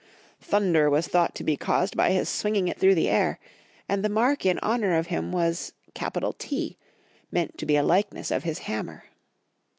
Thunder was thought to be caused by his swinging it through the air, and the mark in honor of him was "P, meant to be a likeness of his hammer.